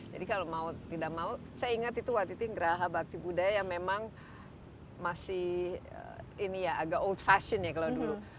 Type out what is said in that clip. jadi kalau mau tidak mau saya ingat itu waktu itu geraha bakti budaya yang memang masih agak old fashion ya kalau dulu